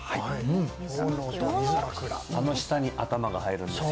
あの下に頭が入るんですよ